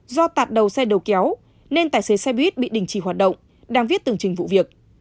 do tạt đầu xe đầu kéo nên tài xế xe buýt bị đình chỉ hoạt động đang viết tưởng trình vụ việc